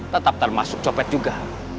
tetap termasuk copet juga